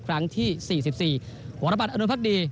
ครั้งที่๔๔